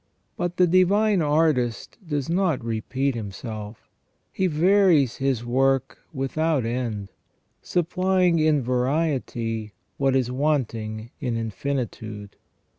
But the Divine Artist does not repeat Himself: He varies His work without end, supplying in variety what is wanting in infinitude.